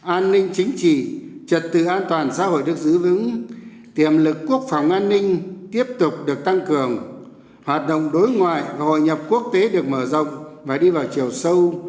an ninh chính trị trật tự an toàn xã hội được giữ vững tiềm lực quốc phòng an ninh tiếp tục được tăng cường hoạt động đối ngoại và hội nhập quốc tế được mở rộng và đi vào chiều sâu